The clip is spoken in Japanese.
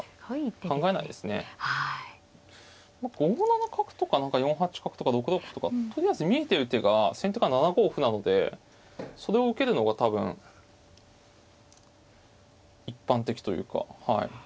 ５七角とか４八角とか６六歩とかとりあえず見えてる手が先手が７五歩なのでそれを受けるのが多分一般的というかはい。